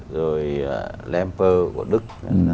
rồi lampel của đức